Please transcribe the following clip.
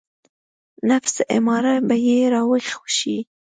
نفس اماره به يې راويښ شي.